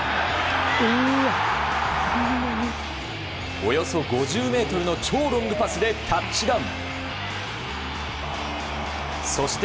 およそ５０ｍの超ロングパスでタッチダウン。